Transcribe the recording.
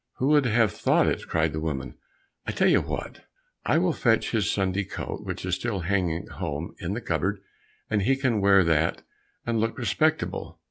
"Who would have thought it?" cried the woman, "I tell you what, I will fetch his Sunday coat which is still hanging at home in the cupboard, he can wear that and look respectable.